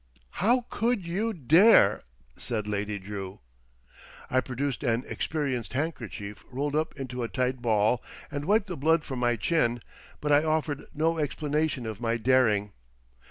"How could you dare?" said Lady Drew. I produced an experienced handkerchief rolled up into a tight ball, and wiped the blood from my chin, but I offered no explanation of my daring.